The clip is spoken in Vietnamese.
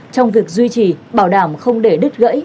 trong việc duy trì bảo đảm không để đứt gãy